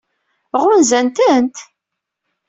Ɣunzan-tent?